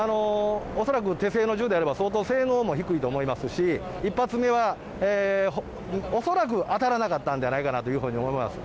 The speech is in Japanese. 恐らく手製の銃であれば、相当、性能も低いと思いますし、１発目は、恐らく当たらなかったんではないかなというふうに思います。